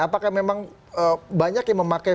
apakah memang banyak yang memakai